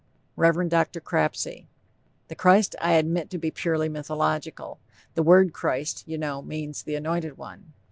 REV. DR. CRAPSEY: The Christ I admit to be purely mythological....the word Christ, you know, means the anointed one....